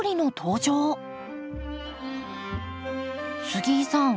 杉井さん